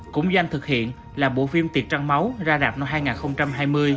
cũng doanh thực hiện làm bộ phim tiệc trăng máu ra rạp năm hai nghìn hai mươi